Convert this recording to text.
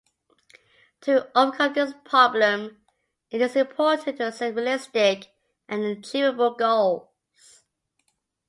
To overcome this problem, it is important to set realistic and achievable goals.